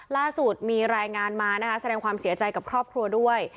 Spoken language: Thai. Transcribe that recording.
ล่าสุดมีรายงานมานะคะแสดงความเสียใจกับครอบครัวด้วย